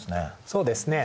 そうですね。